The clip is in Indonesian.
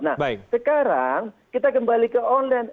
nah sekarang kita kembali ke online